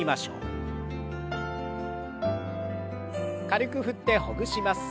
軽く振ってほぐします。